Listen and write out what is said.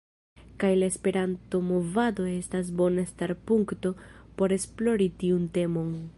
Kaj la Esperanto-movado estas bona starpunkto por esplori tiun temon.